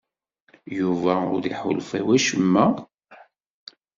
Yuba ur iḥulfa i wacemma?